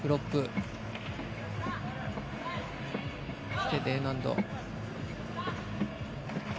そして、Ｄ難度。